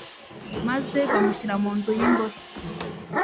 maze bamushyira mu nzu y'imbohe